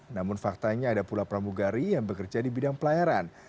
namun faktanya ada pula pramugari yang bekerja di bidang pelayaran